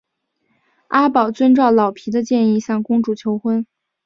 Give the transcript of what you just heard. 阿宝遵照老皮的建议向公主求婚。